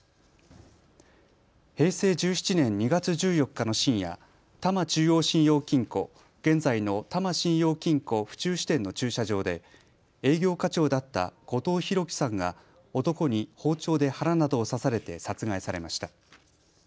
平成１７年２月１４日の深夜、多摩中央信用金庫、現在の多摩信用金庫府中支店の駐車場で営業課長だった後藤博樹さんが男に包丁で腹などを刺されて殺害されました。